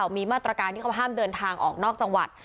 มีมาตรการที่เขาห้ามเดินทางออกนอกจังหวัด